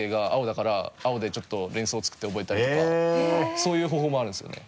そういう方法もあるんですよね。